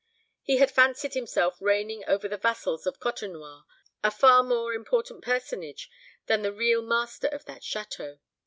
He had fancied himself reigning over the vassals of Côtenoir, a far more important personage than the real master of that château.